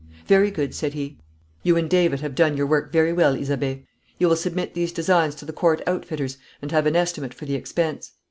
'Very good,' said he. 'You and David have done your work very well, Isabey. You will submit these designs to the Court outfitters and have an estimate for the expense.